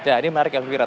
ya ini menarik elvira